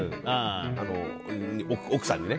奥さんにね。